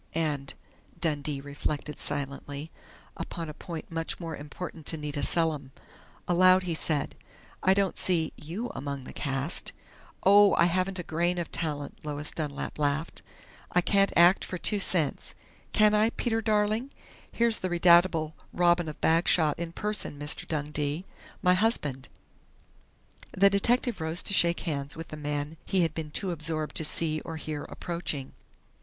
"And," Dundee reflected silently, "upon a point much more important to Nita Selim." Aloud he said: "I don't see you among the cast." "Oh, I haven't a grain of talent," Lois Dunlap laughed. "I can't act for two cents can I, Peter darling?... Here's the redoubtable 'Robin of Bagshot' in person, Mr. Dundee my husband!" The detective rose to shake hands with the man he had been too absorbed to see or hear approaching.